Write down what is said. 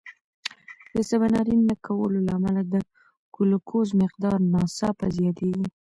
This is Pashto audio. د سباناري نه کولو له امله د ګلوکوز مقدار ناڅاپه زیاتېږي.